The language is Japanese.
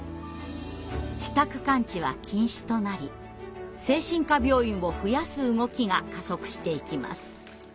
私宅監置は禁止となり精神科病院を増やす動きが加速していきます。